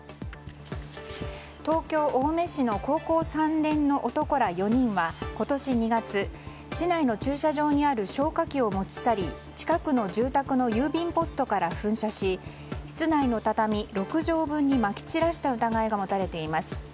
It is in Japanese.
東京・青梅市の高校３年の男ら４人は今年２月、市内の駐車場にある消火器を持ち去り近くの住宅の郵便ポストから噴射し室内の畳６畳分にまき散らした疑いが持たれています。